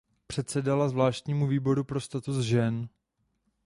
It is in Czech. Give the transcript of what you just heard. Předsedala zvláštnímu výboru pro status žen.